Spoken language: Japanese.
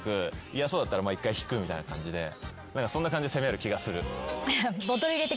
嫌そうだったら一回引くみたいな感じでそんな感じで攻める気がする。